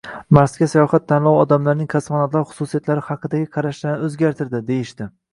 Marsga sayohat tanlovi odamlarning astronavtlar xususiyatlari haqidagi qarashlarini o’zgartirdi, deyishdi